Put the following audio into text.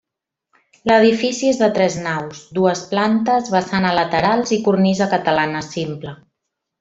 L’edifici és de tres naus, dues plantes, vessant a laterals i cornisa catalana simple.